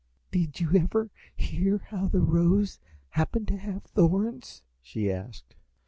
"Did you ever hear how the Rose happened to have thorns?" she asked.